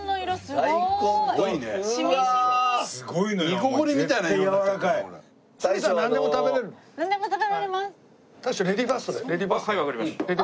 はいわかりました。